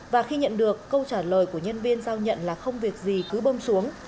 và khi nhận được câu trả lời của nhân viên giao nhận là không việc gì cứ bơm xuống